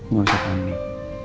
gak usah panik